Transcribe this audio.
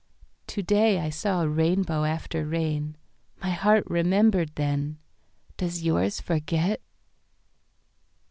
To day I saw a rainbow after rain….My heart remembered then—does yours forget?